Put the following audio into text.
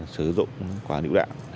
sử dụng quả lựu đạn